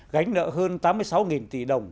gánh nợ hơn tám mươi sáu tỷ đồng